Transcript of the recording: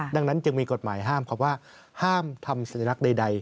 ดังนั้นจึงมีกฎหมายห้ามครับว่าห้ามทำสัญลักษณ์ใด